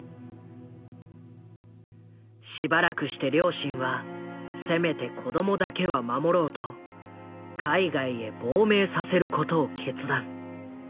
しばらくして両親はせめて子供だけは守ろうと海外へ亡命させることを決断。